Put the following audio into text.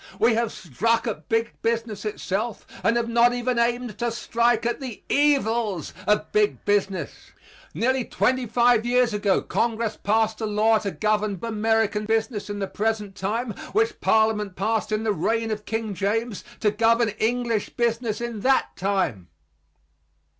We have struck at big business itself and have not even aimed to strike at the evils of big business. Nearly twenty five years ago Congress passed a law to govern American business in the present time which Parliament passed in the reign of King James to govern English business in that time.